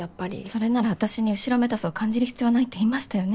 それなら私に後ろめたさを感じる必要はないって言いましたよね。